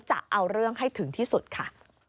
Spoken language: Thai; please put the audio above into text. จะเอาเรื่องให้ถึงที่สุดค่ะ